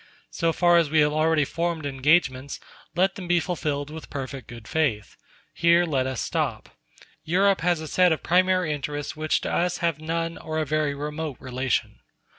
So far as we have already formed engagements, let them be fulfilled with perfect good faith. Here let us stop. Europe has a set of primary interests which to us have none, or a very remote relation.